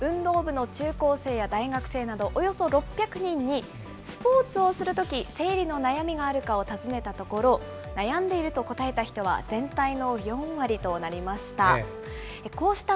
運動部の中高生や大学生などおよそ６００人にスポーツをするとき生理の悩みがあるかを尋ねたところ悩んでいると答えた人は全体の４割となりました。